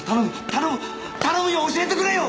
頼む頼むよ教えてくれよ！